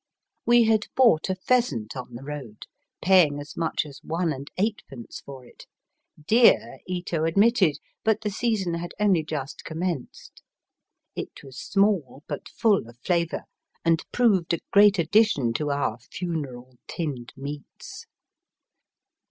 "We had bought a pheasant on the road, paying as much as one and eightpence for it ; dear, Ito admitted, but the season had only just commenced. It was small, but fall of flavour, and proved a great addition to our funeral tinned meats.